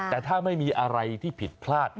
แต่ถ้าไม่มีอะไรที่ผิดพลาด